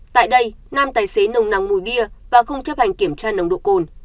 tại đây nam tài xế nồng nàng mùi bia và không chấp hành kiểm tra nồng độ cồn